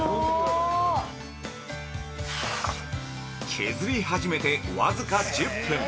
◆削り始めて僅か１０分。